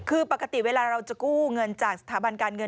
คือปกติเวลาเราจะกู้เงินจากสถาบันการเงิน